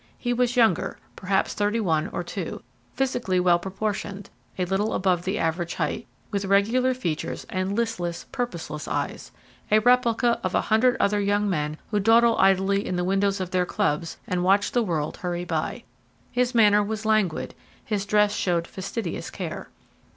He was younger, perhaps thirty one or two, physically well proportioned, a little above the average height, with regular features and listless, purposeless eyes a replica of a hundred other young men who dawdle idly in the windows of their clubs and watch the world hurry by. His manner was languid; his dress showed fastidious care.